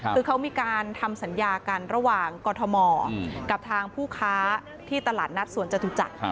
คือเขามีการทำสัญญากันระหว่างกรทมกับทางผู้ค้าที่ตลาดนัดสวนจตุจักร